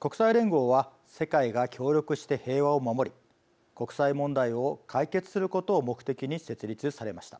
国際連合は世界が協力して平和を守り国際問題を解決することを目的に設立されました。